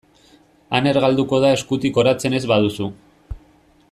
Aner galduko da eskutik oratzen ez baduzu.